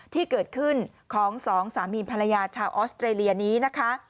ที่เกิดขึ้นของสองสามีภรรยาชาวออสเตรเลียนี้นะคะ